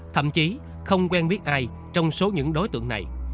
thậm chí không quen biết ai trong số những đối tượng này